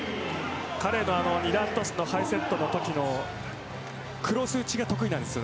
彼の二段トスのハイセットのときのクロス打ちが得意なんです。